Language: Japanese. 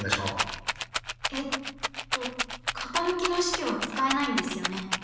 えっと傾きの式は使えないんですよね。